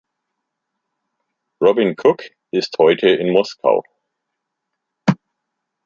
Robin Cook ist heute in Moskau.